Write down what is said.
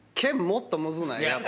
もっとむずない？